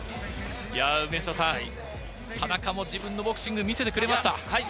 梅下さん、田中も自分のボクシング見せてくれました。